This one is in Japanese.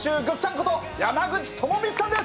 こと山口智充さんです。